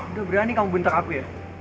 udah berani kamu bentar aku ya